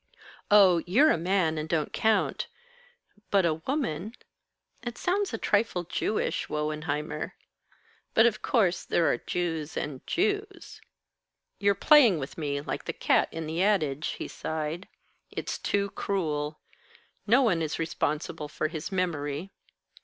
Oh, you're a man, and don't count. But a woman? It sounds a trifle Jewish, Wohenheimer. But of course there are Jews and Jews." "You're playing with me like the cat in the adage," he sighed. "It's too cruel. No one is responsible for his memory."